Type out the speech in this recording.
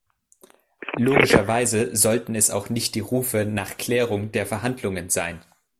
Logischerweise sollten es auch nicht die Rufe nach Klärung der Verhandlungen sein.